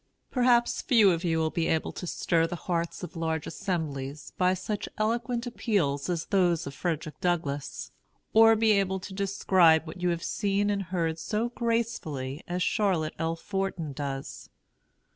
Perhaps few of you will be able to stir the hearts of large assemblies by such eloquent appeals as those of Frederick Douglass, or be able to describe what you have seen and heard so gracefully as Charlotte L. Forten does.